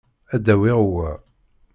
Ad awiɣ wa.